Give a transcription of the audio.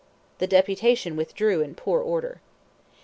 The deputation withdrew in poor order.